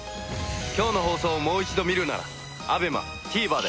今日の放送をもう一度見るならＡＢＥＭＡＴＶｅｒで。